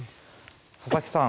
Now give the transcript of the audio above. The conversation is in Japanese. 佐々木さん